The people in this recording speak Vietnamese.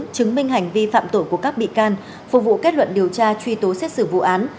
chứng minh hành vi phạm tội của các bị can phục vụ kết luận điều tra truy tố xét xử vụ án